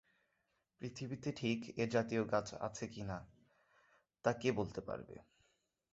পৃথিবীতে ঠিক এ-জাতীয় গাছ আছে কি না তা কে বলতে পারবে?